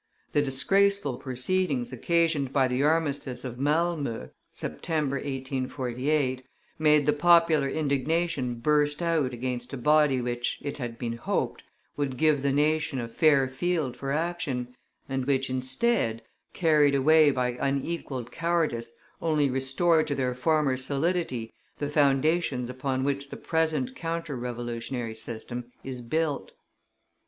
The disgraceful proceedings occasioned by the armistice of Malmoe (September, 1848,) made the popular indignation burst out against a body which, it had been hoped, would give the nation a fair field for action, and which, instead, carried away by unequalled cowardice, only restored to their former solidity the foundations upon which the present counter revolutionary system is built.